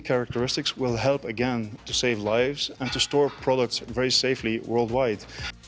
dan karakteristik yang unik ini akan membantu untuk menyelamatkan hidup dan menyimpan produk secara aman di seluruh dunia